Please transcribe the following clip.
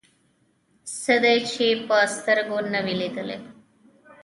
څه دې چې په سترګو نه وي لیدلي.